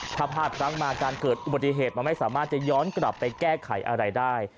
ถ้าพลาดพลั้งมาการเกิดอุบัติเหตุมันไม่สามารถจะย้อนกลับไปแก้ไขอะไรได้